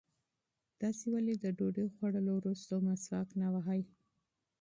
تاسې ولې د ډوډۍ خوړلو وروسته مسواک نه وهئ؟